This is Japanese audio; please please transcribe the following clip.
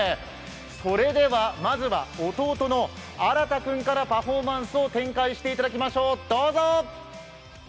それではまずは弟のあらた君からパフォーマンスを展開してもらいましょう。